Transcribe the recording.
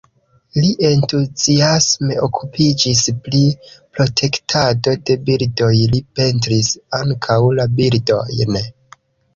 Li entuziasme okupiĝis pri protektado de birdoj, li pentris ankaŭ la birdojn.